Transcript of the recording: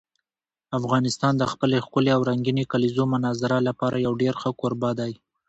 افغانستان د خپلې ښکلې او رنګینې کلیزو منظره لپاره یو ډېر ښه کوربه دی.